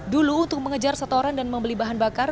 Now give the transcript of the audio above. dulu untuk mengejar setoran dan membeli bahan bakar